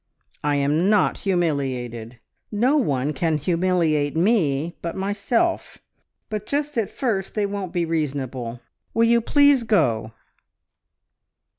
I am not humiliated! No one can humiliate me but myself; but just at first they won't be reasonable. ... Will you please go?"